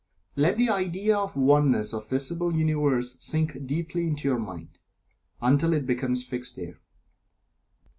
Let the idea of the Oneness of the visible Universe sink deeply into your mind, until it becomes fixed there.